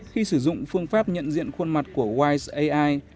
khi sử dụng phương pháp nhận diện khuôn mặt của wise ai